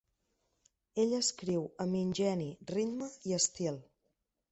Ella escriu amb ingeni, ritme i estil.